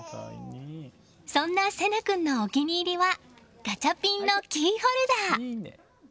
そんな聖梛君のお気に入りはガチャピンのキーホルダー。